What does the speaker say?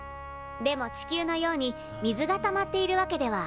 でも地球のように水がたまっているわけではありません。